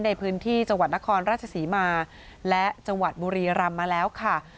ในพื้นที่จังหวัดนครราชศรีมาและจังหวัดบุรีรำมาแล้วค่ะ